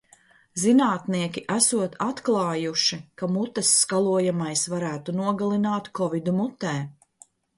Zinātnieki esot atklājuši, ka mutes skalojamais varētu nogalināt Kovidu mutē.